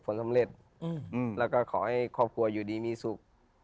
สำเร็จแล้วก็ขอให้ครอบครัวอยู่ดีมีสุข